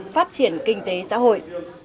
phát triển kinh tế xã hội